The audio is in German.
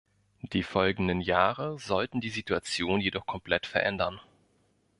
Die folgenden Jahre sollten die Situation jedoch komplett verändern.